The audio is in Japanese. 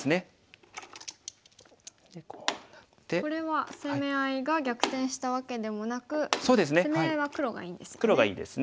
これは攻め合いが逆転したわけでもなく攻め合いは黒がいいんですね。